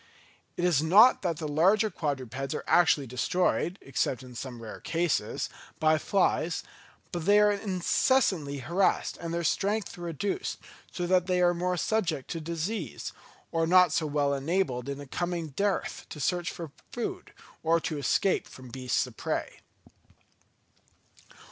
It is not that the larger quadrupeds are actually destroyed (except in some rare cases) by flies, but they are incessantly harassed and their strength reduced, so that they are more subject to disease, or not so well enabled in a coming dearth to search for food, or to escape from beasts of prey.